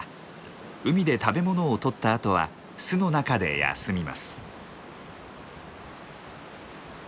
海で食べ物を取ったあとは巣の中で休みます。